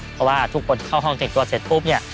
เพราะว่าทุกคนเข้าห้องแต่งตัวเสร็จปุ๊บเนี่ย